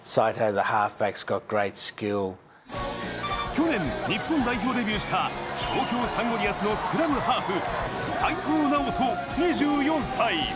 去年、日本代表デビューした東京サンゴリアスのスクラムハーフ、齋藤直人２４歳。